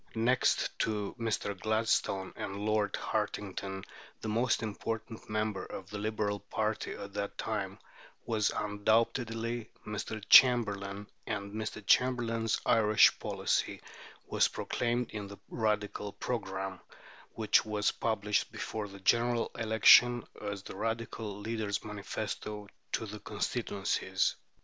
Next to Mr. Gladstone and Lord Hartington the most important member of the Liberal party at that time was undoubtedly Mr. Chamberlain, and Mr. Chamberlain's Irish policy was proclaimed in the _Radical Programme, which was published before the General Election as the Radical leader's manifesto to the constituencies.